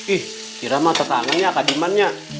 ih ira mah tertanggung ya ke adiman